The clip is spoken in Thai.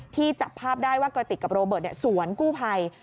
จับภาพได้ว่ากระติกกับโรเบิร์ตสวนกู้ภัย